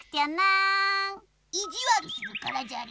いじわるするからじゃり。